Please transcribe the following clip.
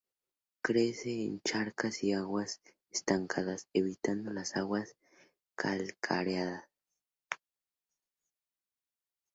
Crece en charcas y aguas estancadas evitando las aguas calcáreas.